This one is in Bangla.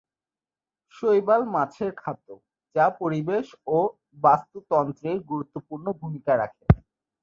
শৈবাল মাছের খাদ্য, যা পরিবেশ ও বাস্তুতন্ত্রে গুরুত্বপূর্ণ ভুমিকা রাখে।